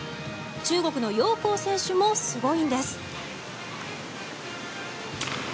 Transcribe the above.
中国のヨウ・コウ選手もすごいんです。